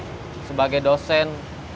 sebagai pimpinan sebagai dosen